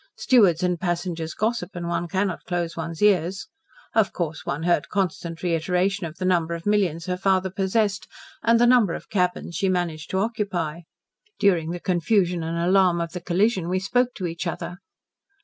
Stewards and passengers gossip, and one cannot close one's ears. Of course one heard constant reiteration of the number of millions her father possessed, and the number of cabins she managed to occupy. During the confusion and alarm of the collision, we spoke to each other."